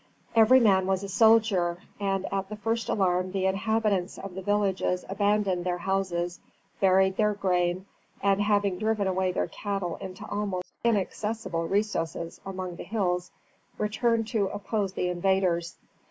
Every man was a soldier, and at the first alarm the inhabitants of the villages abandoned their houses, buried their grain, and having driven away their cattle into almost inaccessible recesses among the hills, returned to oppose the invaders.